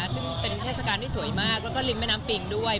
ซึ่งเป็นเทศกาลที่สวยมากแล้วก็ริมแม่น้ำปิงด้วย